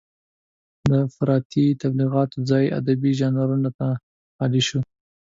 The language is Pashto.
د افراطي تبليغاتو ځای ادبي ژانرونو ته خالي شو.